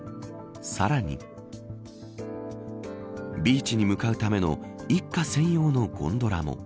さらにビーチに向かうための一家専用のゴンドラも。